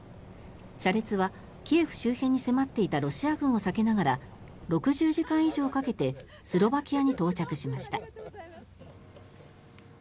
車列はキエフ周辺に迫っていたロシア軍を避けながら６０時間以上かけてスロバキアに到着しました。